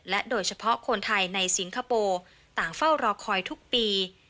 โดยเฉพาะคนไทยในสิงคโปร์ต่างเฝ้ารอคอยทุกปี